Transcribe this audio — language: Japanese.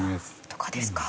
とかですか？